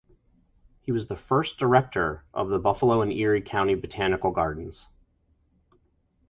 He was the first director of the Buffalo and Erie County Botanical Gardens.